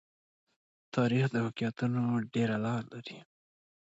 تاریخ د واقعیتونو ډېره لار لري.